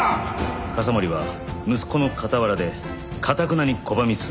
笠森は息子の傍らでかたくなに拒み続けた。